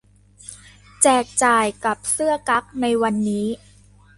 แจกจ่ายกับเสื้อกั๊กในวันนี้